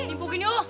ibu gini oh